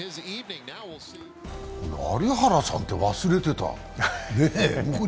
有原さんて忘れてた。